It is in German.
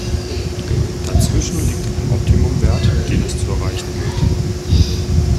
Dazwischen liegt ein Optimum-Wert, den es zu erreichen gilt.